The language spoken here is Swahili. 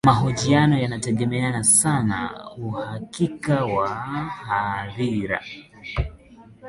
mahojiano yanategemea sana uhakika wa hadhira